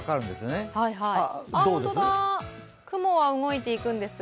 本当だ雲は動いているんですが？